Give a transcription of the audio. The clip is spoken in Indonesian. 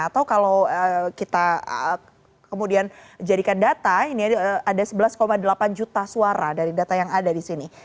atau kalau kita kemudian jadikan data ini ada sebelas delapan juta suara dari data yang ada di sini